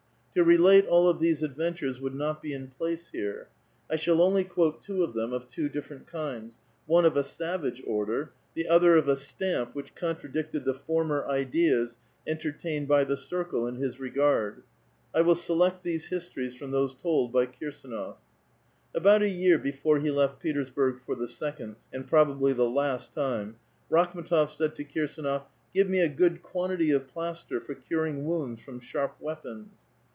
To relate all of these adventures would not be in place here ; I shall only quote two of them of two ditferent kinds : one of a savage order ; the other of a stamp which contradicted the former ideas entertained by the circle in his regard. I will select these histories from those told bv Kirsdnof . About a year before he left Petersburg for the second, and probably the last, time, Rakhm^tof said to Kirsdnof, ^* Give me a good quantity of plaster for curing wounds from sharp weapons."